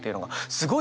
すごい。